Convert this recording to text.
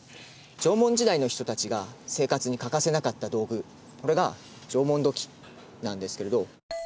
縄文時代の人たちが生活に欠かせなかった道具それが縄文土器なんですけれど。